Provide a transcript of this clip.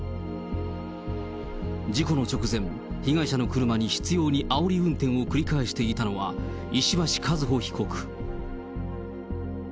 事故の直前、被害者の車に執ようにあおり運転を繰り返していたのは石橋和歩被告。